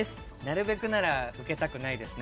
なるべくなら受けたくないですね。